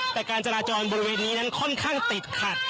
แต่การจราจรบริเวณนี้นั้นค่อนข้างติดขัด